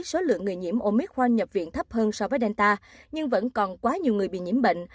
số lượng người nhiễm omic hoang nhập viện thấp hơn so với delta nhưng vẫn còn quá nhiều người bị nhiễm bệnh